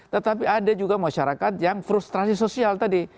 tetapi ada juga masyarakat yang frustrasi sosial tadi